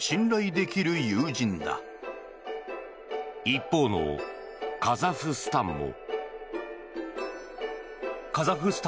一方のカザフスタンも。